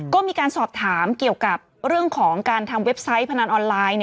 ก็มีการสอบถามเกี่ยวกับเรื่องของการทำเว็บไซต์พนันออนไลน์